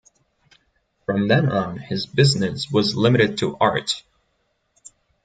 From then on his business was limited to art.